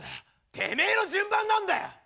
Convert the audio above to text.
てめえの順番なんだよ！